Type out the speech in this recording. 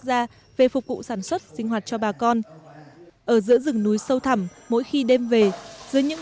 gia về phục vụ sản xuất sinh hoạt cho bà con ở giữa rừng núi sâu thẳm mỗi khi đêm về dưới những